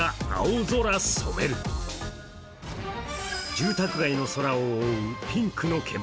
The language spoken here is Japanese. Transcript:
住宅街の空を覆うピンクの煙。